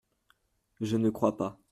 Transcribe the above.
Je ne crois pas…